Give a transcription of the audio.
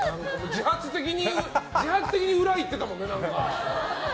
自発的に裏いってたもんな、何か。